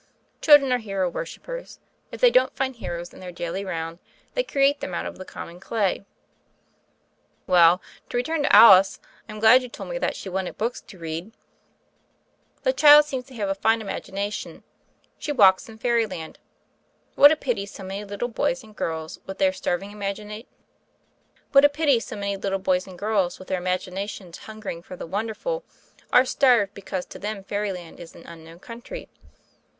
Children are hero worshippers. If they don't find heroes in their daily round, they create them out of the common clay. "Well, to return to Alice. I'm glad you told me that she wanted books to read. The child seems to have a fine imagination : she walks in fairyland. What a pity so many little boys and girls with their imaginations hungering for the wonderful are starved because to them fairyland is an unknown country.